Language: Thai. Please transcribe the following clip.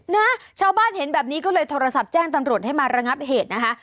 นะชาวบ้านเห็นแบบนี้ก็เลยโทรศัพท์แจ้งตำรวจให้มาระงับเหตุนะคะ